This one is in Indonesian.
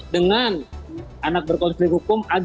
dengan anak berkonflik hukum